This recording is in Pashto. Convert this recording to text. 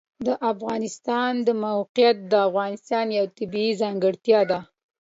د افغانستان د موقعیت د افغانستان یوه طبیعي ځانګړتیا ده.